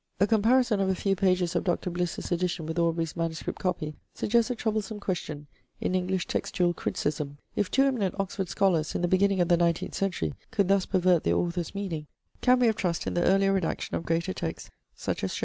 A comparison of a few pages of Dr. Bliss's edition with Aubrey's MS. copy suggests a troublesome question in English textual criticism. If two eminent Oxford scholars in the beginning of the nineteenth century could thus pervert their author's meaning, can we have trust in the earlier redaction of greater texts, such as Shakespeare?